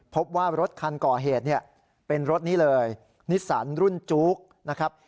พบว่ารถคันก่อเหตุเนี่ยเป็นรถนี้เลยนิสสันรุ่นจุ๊กนะครับ